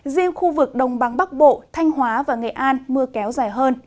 riêng khu vực đồng bằng bắc bộ thanh hóa và nghệ an mưa kéo dài hơn